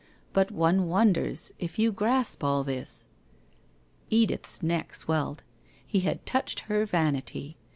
But one won ders if you grasp all this ?' Edith's neck swelled. He had touched her vanity.